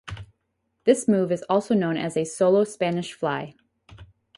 This move is also known as a "Solo Spanish fly".